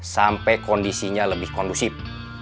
sampai kondisinya lebih kondusif